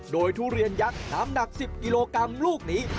โดยทุเรียนยักษ์น้ำหนัก๑๐กิโลกรัมลูกนี้